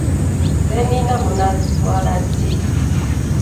Ze nnina munaazitwala ddi?